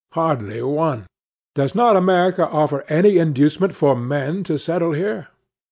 Hardly one. Does not America offer any inducement for men to settle here?